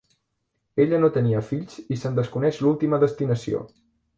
Ella no tenia fills i se'n desconeix l'última destinació.